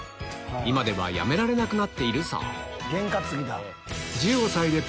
今ではやめられなくなっているそう